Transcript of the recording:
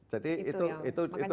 jadi itu itu itu